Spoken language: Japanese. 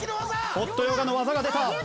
ホットヨガの技が出た！